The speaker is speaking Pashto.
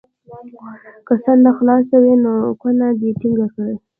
که سر نه خلاصوي نو کونه دې ټینګه کړي.